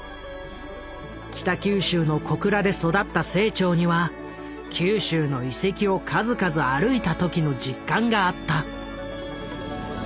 北九州の小倉で育った清張には九州の遺跡を数々歩いた時の実感があった。